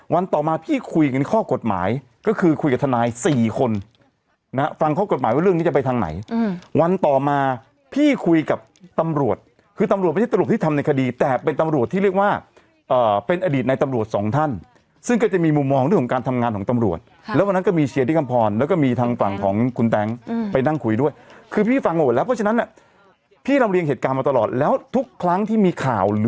วันต่อมาพี่คุยกับตำรวจคือตำรวจไม่ใช่ตรวจที่ทำในคดีแต่เป็นตำรวจที่เรียกว่าเป็นอดีตในตำรวจสองท่านซึ่งก็จะมีมุมมองของการทำงานของตำรวจแล้ววันนั้นก็มีเชียร์ที่คำพรแล้วก็มีทางฝั่งของคุณแต๊งไปนั่งคุยด้วยคือพี่ฟังหมดแล้วเพราะฉะนั้นพี่ทำเรียงเหตุการณ์มาตลอดแล้วทุกครั้งที่มีข่